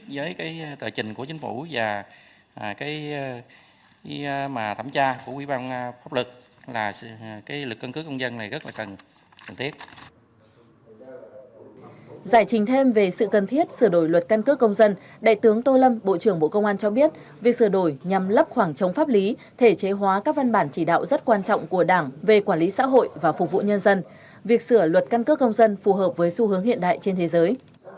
giải trình thêm về sự cần thiết sửa đổi luật căn cước công dân đại tướng tô lâm bộ trưởng bộ công an cho biết việc sửa đổi nhằm lắp khoảng trống pháp lý thể chế hóa các văn bản chỉ đạo rất quan trọng của đảng về quản lý xã hội và phục vụ nhân dân việc sửa luật căn cước công dân phù hợp với xu hướng hiện đại trên thế giới